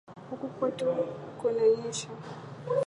Huku kwetu kunanyesha